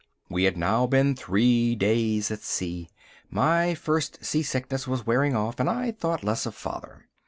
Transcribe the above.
We had now been three days at sea. My first sea sickness was wearing off, and I thought less of father.